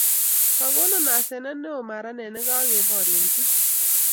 kakokon asanet neo maranet nekakeborienji